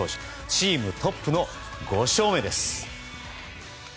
チームトップの５勝目です。